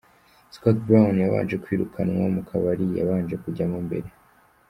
Scott Brown yabanje kwirukanwa mu kabari yabanje kujyamo mbere.